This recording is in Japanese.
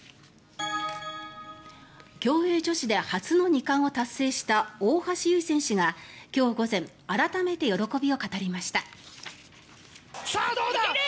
競泳女子で初の２冠を達成した大橋悠依選手が今日午前改めて喜びを語りました。